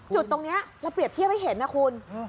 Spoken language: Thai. จุดตรงนี้เราเปรียบเทียบให้เห็นนะคุณ